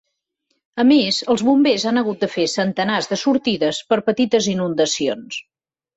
A més, els bombers han hagut de fer centenars de sortides per petites inundacions.